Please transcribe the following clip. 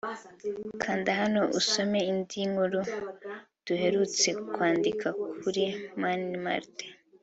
Kanda hano usome indi nkuru duherutse kwandika kuri Mani Martin